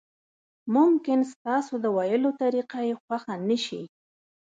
ممکن ستاسو د ویلو طریقه یې خوښه نشي.